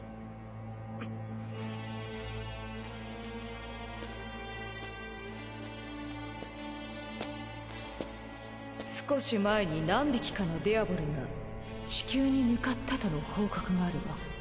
アストレア：少し前に何匹かのデアボ地球に向かったとの報告があるわ。